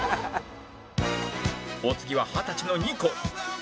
お次は二十歳のニコル